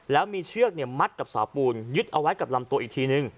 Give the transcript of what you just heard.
แล้วมีเชือกมัดกับเสาปูนยึดเอาไว้กับลำตัวอีกทีนึง